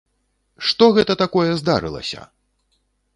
Што гэта такое здарылася!